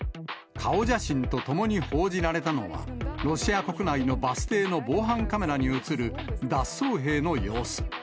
顔写真とともに報じられたのは、ロシア国内のバス停の防犯カメラに写る脱走兵の様子。